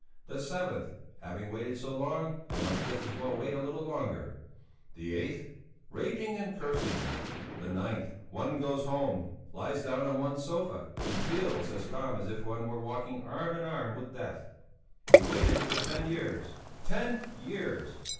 the seventh: having waited so long, I might just as well wait a little longer; the eighth: raging and cursing; the ninth: One goes home, lies down on one's sofa and feels as calm as if one were walking arm in arm with death. He waited for ten years! Ten years!